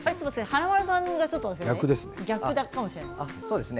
華丸さんが逆かもしれないです。